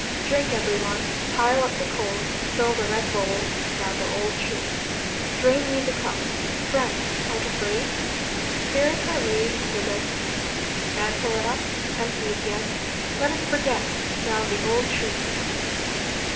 Drink, every one; Pile up the coals; Fill the red bowls, Round the old tree! Drain we the cup. Friend, art afraid? Spirits are laid In the Red Sea. Mantle it up; Empty it yet; Let us forget, Round the old tree!